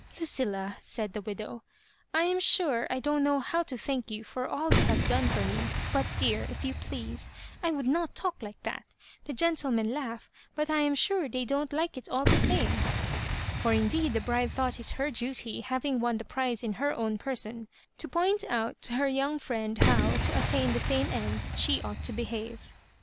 "Lucilla," said the widow, "I am sure I don't know how to thank you for all you have done for mej but, dear, if you please, I would not talk like that I The gentlemen laugh, but I am sure they don't like it all the same ;" for indeed the bride thought it her duty, having won the prize in her own person, to point out to her young IHend how, to attain the same end, sne ought to behave.